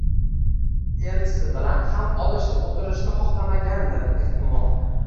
elchisi bilan ham olishib o'tirishni xohlamagandir. Ehtimol...